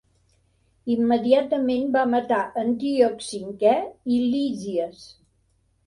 Immediatament va matar Antíoc V i Lísies.